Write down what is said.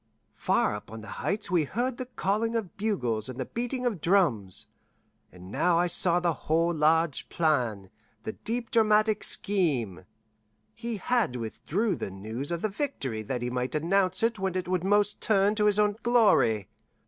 Far up on the Heights we heard the calling of bugles and the beating of drums; and now I saw the whole large plan, the deep dramatic scheme. He had withheld the news of the victory that he might announce it when it would most turn to his own glory.